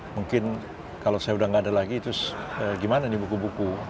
mungkin kalau saya sudah tidak ada lagi gimana ini buku buku